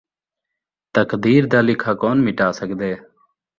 تقدیر دا لکھا کون مٹا سڳدے